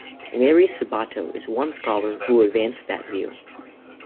Larry Sabato is one scholar who advanced that view.